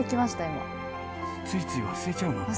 ついつい忘れちゃうもんね。